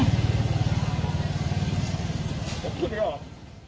ผมพูดไม่ออก